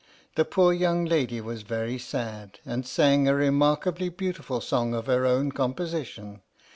The poor young lady was very sad, and sang a remark ably beautiful song of her own composition.